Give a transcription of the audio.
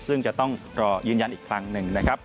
ซึ่งจะต้องรอยืนยันอีกครั้งหนึ่งนะครับ